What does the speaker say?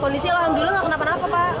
polisi alhamdulillah tidak kena apa apa pak